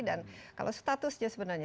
dan kalau statusnya sebenarnya